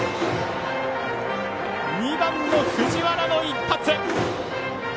２番の藤原の一発。